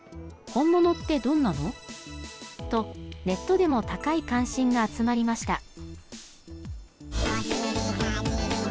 本物ってどんなの？と、ネットでも高い関心が集まりました。